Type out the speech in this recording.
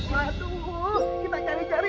waduh kita cari cari